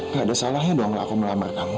gak ada salahnya doang lah aku melamar kamu